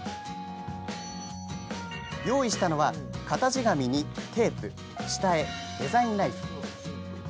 用意したのは、型地紙にテープ下絵、デザインナイフ。